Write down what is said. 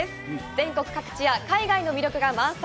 全国各地や海外の魅力が満載。